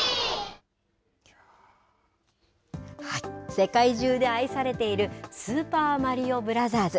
世界中で愛されているスーパーマリオブラザーズ。